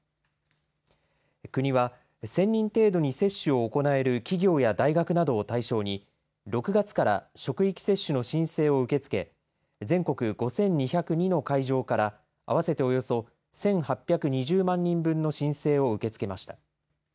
国は、１０００人程度に接種を行える企業や大学などを対象に、６月から職域接種の申請を受け付け、全国５２０２の会場から、合わせておよそ１８２０万人分の申請を受け付けました。